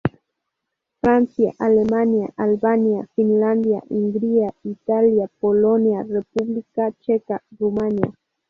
Francia, Alemania, Albania, Finlandia, Hungría, Italia, Polonia, República Checa, Rumanía.